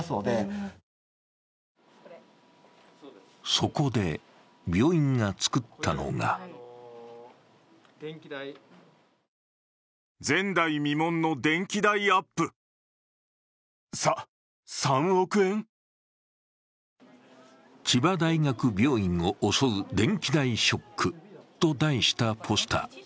そこで病院が作ったのが「千葉大学病院を襲う電気代ショック」と題したポスター。